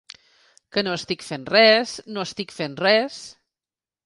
Que no estic fent res, no estic fent res.